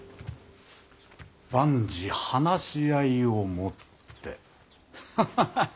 万事話し合いをもってハッハッハッハッ。